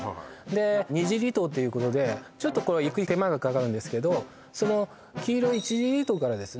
で２次離島っていうことでちょっとこれは行く手間がかかるんですけどその黄色い１次離島からですね